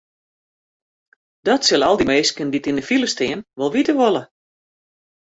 Dat sille al dy minsken dy't yn de file stean wol witte wolle.